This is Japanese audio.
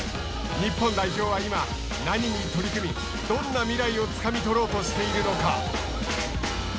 日本代表は今、何に取り組みどんな未来をつかみ取ろうとしているのか。